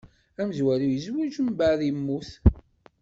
Amezwaru izweǧ, mbeɛd yemmut.